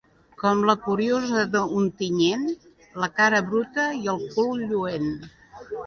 Com la curiosa d'Ontinyent, la cara bruta i el cul lluent.